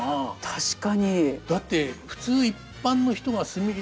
確かに。